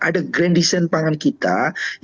ada grand design pangan kita yang menyiapkan pendapatan